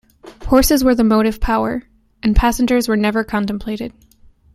Horses were the motive power, and passengers were never contemplated.